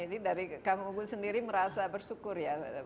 ini dari kang ubud sendiri merasa bersyukur ya